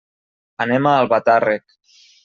Anem a Albatàrrec.